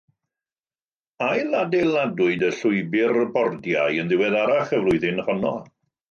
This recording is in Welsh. Ailadeiladwyd y llwybr bordiau yn ddiweddarach y flwyddyn honno.